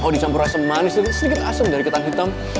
dicampur rasa manis dan sedikit asem dari ketan hitam